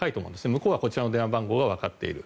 向こうはこちらの電話番号がわかっている。